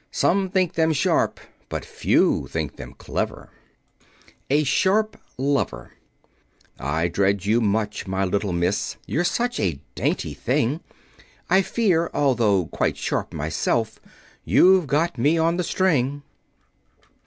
Some think them sharp. But few think them clever." [Illustration: Twins] A SHARP LOVER "I dread you much, my little miss, You're such a dainty thing, I fear although quite sharp myself, You've got me on the string."